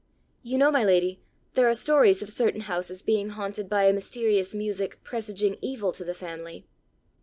You know, my lady, there are stories of certain houses being haunted by a mysterious music presaging evil to the family?"